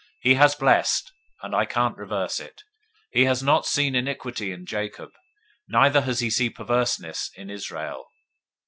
He has blessed, and I can't reverse it. 023:021 He has not seen iniquity in Jacob. Neither has he seen perverseness in Israel.